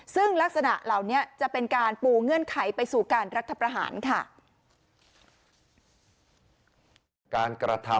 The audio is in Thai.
ซึ่งลักษณะเหล่านี้จะเป็นการปูเงื่อนไขไปสู่การรัฐประหารค่ะ